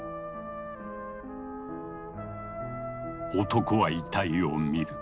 男は遺体を見る。